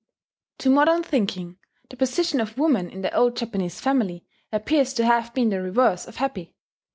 ] To modern thinking, the position of woman in the old Japanese family appears to have been the reverse of happy.